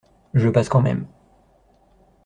Je passe quand même